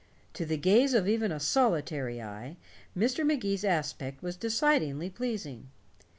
To the gaze of even a solitary eye, Mr. Magee's aspect was decidedly pleasing.